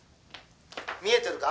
「見えてるか？